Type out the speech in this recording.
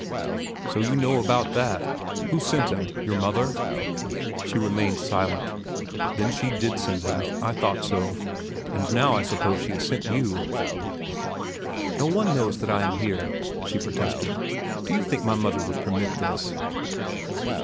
"So you know about that? Who sent him? Your mother?" She remained silent. "Then she did send him. I thought so. And now I suppose she has sent you." "No one knows that I am here," she protested. "Do you think my mother would permit this?"